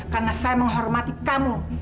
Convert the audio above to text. karena saya menghormati kamu